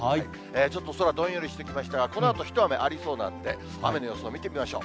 ちょっと空、どんよりしてきましたが、このあと、一雨ありそうなんで、雨の予想を見てみましょう。